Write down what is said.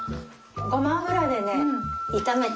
ごま油でね炒めてあるの。